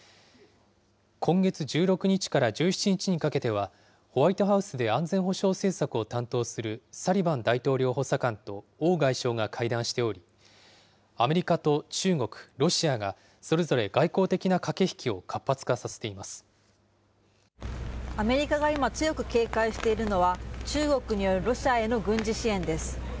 今月１６日から１７日にかけては、ホワイトハウスで安全保障政策を担当するサリバン大統領補佐官と王外相が会談しており、アメリカと中国、ロシアがそれぞれ外交的アメリカが今、強く警戒しているのは、中国によるロシアへの軍事支援です。